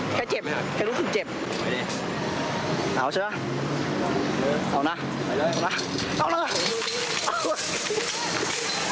แค่เจ็บแค่รู้สึกเจ็บเอาเชื่อเอานะเอาเลย